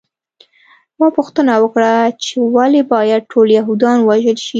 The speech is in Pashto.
ما پوښتنه وکړه چې ولې باید ټول یهودان ووژل شي